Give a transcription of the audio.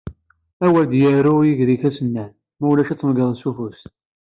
Awer d-yarew yiger-ik asennan, ma ulac ad t-tmegreḍ s ufus.